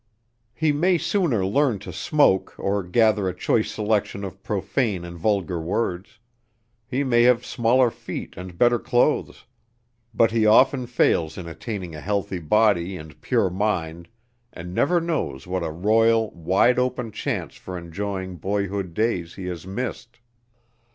He may sooner learn to smoke or gather a choice selection of profane and vulgar words; he may have smaller feet and better clothes, but he often fails in attaining a healthy body and pure mind and never knows what a royal, wide open chance for enjoying boyhood days he has missed.